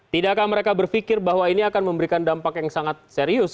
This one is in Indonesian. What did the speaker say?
tidakkah mereka berpikir bahwa ini akan memberikan dampak yang sangat serius